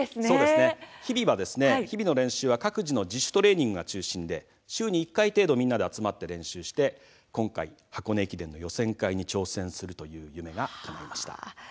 日々の練習は各自の自主トレーニングが中心で週に１回程度みんなで集まって練習して今回、箱根駅伝の予選会に挑戦するという夢がかないました。